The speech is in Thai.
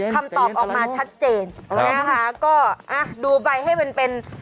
คำตอบออกมาชัดเจนนะคะก็อ่ะดูไปให้มันเป็นเป็น